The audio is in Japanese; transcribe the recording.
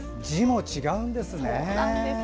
字も違うんですね。